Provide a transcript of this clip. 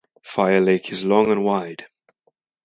Fire lake is long and wide.